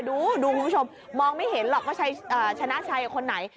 ดูคุณผู้ชมมองไม่เห็นหรอกว่าชนะชัยกับคนไหน